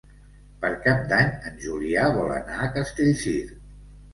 Per Cap d'Any en Julià vol anar a Castellcir.